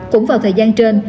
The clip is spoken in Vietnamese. cũng vào thời gian trên